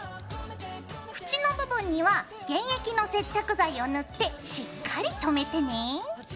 縁の部分には原液の接着剤を塗ってしっかりとめてね。